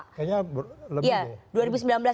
kayaknya lebih ya